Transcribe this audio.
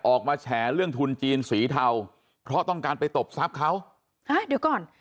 แฉเรื่องทุนจีนสีเทาเพราะต้องการไปตบทรัพย์เขาฮะเดี๋ยวก่อน